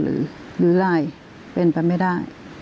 หรืออะไรเป็นไปไม่ได้